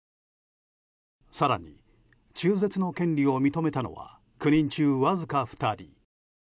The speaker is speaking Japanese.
更に、中絶の権利を認めたのは９人中わずか２人。